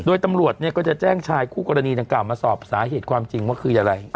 โดยตำรวจเนี่ยก็จะแจ้งชายคู่กรณีดังกล่าวมาสอบสาเหตุความจริงว่าคืออะไร